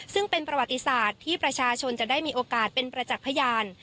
ซึ่งเป็นประวัติศาสตร์ที่ประชาชนจะได้มีโอกาสเป็นประจักษ์พยาน